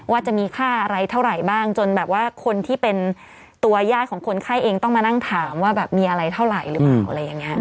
จะมีค่าอะไรเท่าไหร่บ้างจนแบบว่าคนที่เป็นตัวญาติของคนไข้เองต้องมานั่งถามว่าแบบมีอะไรเท่าไหร่หรือเปล่าอะไรอย่างนี้